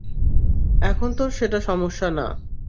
এখন তো সেটা সমস্যা না।